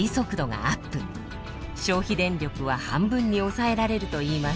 消費電力は半分に抑えられるといいます。